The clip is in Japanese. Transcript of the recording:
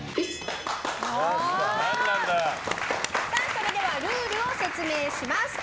それではルールを説明します。